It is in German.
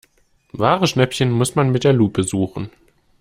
Wahre Schnäppchen muss man mit der Lupe suchen.